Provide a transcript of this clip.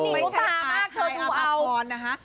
ไม่ใช่หายอาปาพรณ์นะฮะ